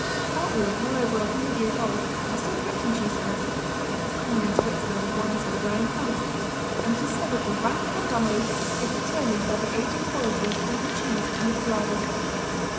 Cartwheels well over a hundred years old are still kept in cheese cellars (as common in Switzerland as wine cellars are in France), and it is said that the rank of a family is determined by the age and quality of the cheese in its larder.